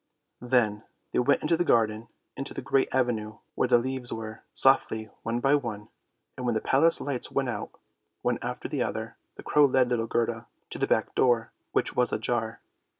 Then they went into the garden, into the great avenue where the leaves were, softly one by one; and when the Palace lights went out, one after the other, the crow led little Gerda to the back door, which was ajar.